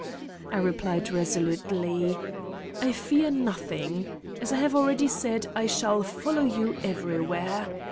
I replied resolutely: "I fear nothing. As I have already said, I shall follow you everywhere.